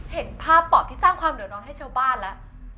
เห็นภาพปอบที่สร้างความเดือดร้อนให้ชาวบ้านแล้ว